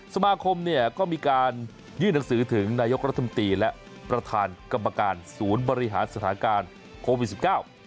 สมาคมเนี่ยก็มีการยื่นหนังสือถึงนายกรัฐมนตรีและประธานกรรมการศูนย์บริหารสถานการณ์โควิดสิบเก้า